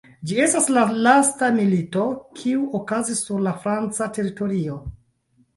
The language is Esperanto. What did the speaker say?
Ĝi estas la lasta milito, kiu okazis sur la franca teritorio.